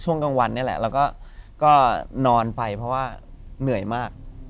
กลางวันนี่แหละแล้วก็นอนไปเพราะว่าเหนื่อยมาก